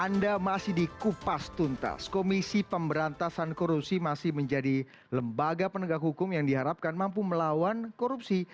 anda masih di kupas tuntas komisi pemberantasan korupsi masih menjadi lembaga penegak hukum yang diharapkan mampu melawan korupsi